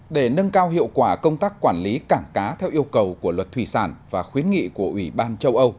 để nâng cao hiệu quả công tác quản lý cảng cá theo yêu cầu của luật thủy sản và khuyến nghị của ủy ban châu âu